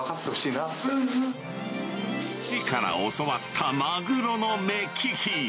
父から教わったマグロの目利き。